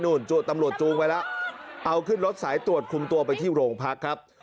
ตำรวจจูงไว้แล้วเอาขึ้นรถสายตรวจคุมตัวไปที่โรงพักครับ